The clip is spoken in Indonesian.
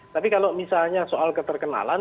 tapi kalau misalnya soal keterkenalan